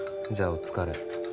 お疲れ